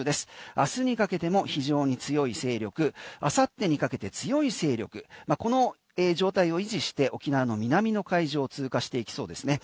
明日にかけても非常に強い勢力明後日にかけて強い勢力この状態を維持して、沖縄の南の海上を通過していきそうですね。